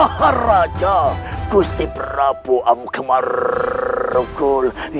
kgelipeu kepengarapmu this ominum republic